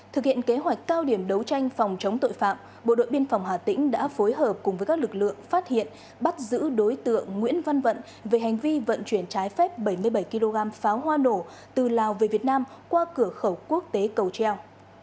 thực hiện kế hoạch cao điểm đấu tranh phòng chống tội phạm bộ đội biên phòng hà tĩnh đã phối hợp cùng với các lực lượng phát hiện bắt giữ đối tượng nguyễn văn vận về hành vi vận chuyển trái phép bảy mươi bảy kg pháo hoa nổ từ lào về việt nam qua cửa khẩu quốc tế cầu treo